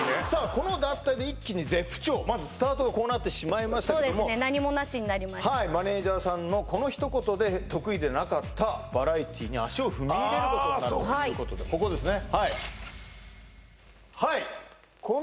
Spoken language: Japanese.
この脱退で一気に絶不調まずスタートがこうなってしまいましたけどもそうですね何もなしになりましたマネージャーさんのこのひと言で得意ではなかったバラエティに足を踏み入れることになるとあそっかここですね